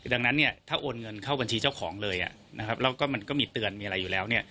ดังนั้นถ้าโอนเงินเข้าบัญชีเจ้าของเลยแล้วก็มันก็มีเตือนมีอะไรอยู่แล้ว